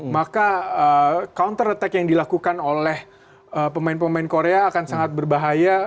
maka counter attack yang dilakukan oleh pemain pemain korea akan sangat berbahaya